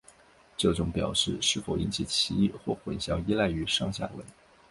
这种表示是否引起歧义或混淆依赖于上下文。